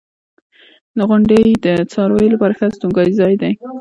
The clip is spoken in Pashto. • غونډۍ د څارویو لپاره ښه استوګنځای دی.